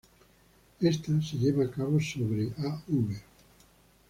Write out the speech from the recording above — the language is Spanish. Esta se lleva a cabo sobre "Av.